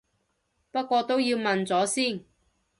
不過都要問咗先